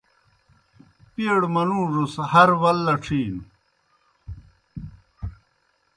پیڑوْ منُوڙوْس ہر ول لڇِھینوْ۔